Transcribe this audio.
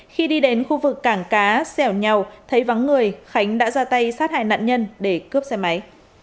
khi đi đến khu vực cảng cá sẻo nhau thấy vắng người khánh đã ra tay sát hại nạn nhân để cướp xe máy